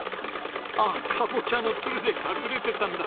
あっカボチャのツルで隠れてたんだ。